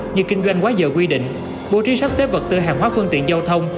như kinh doanh quá giờ quy định bộ truy sắp xếp vật tư hàng hóa phương tiện giao thông